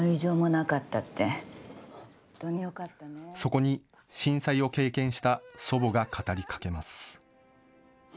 そこに震災を経験した祖母が語りかけます。